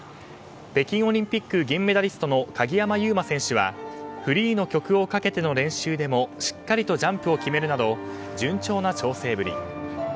北京オリンピック銀メダリストの鍵山優真選手はフリーの曲をかけての練習でもしっかりとジャンプを決めるなど順調な調整ぶり。